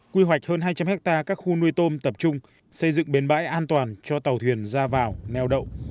quy hoạch hơn hai trăm linh hectare các khu nuôi tôm tập trung xây dựng bến bãi an toàn cho tàu thuyền ra vào neo đậu